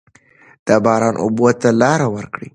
د باران اوبو ته لاره ورکړئ.